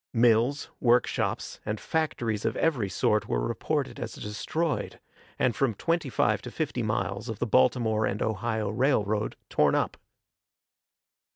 Mills, workshops, and factories of every sort were reported as destroyed, and from twenty five to fifty miles of the Baltimore and Ohio Railroad torn up.